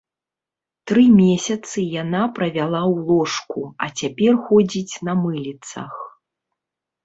Тры месяцы яна правяла ў ложку, а цяпер ходзіць на мыліцах.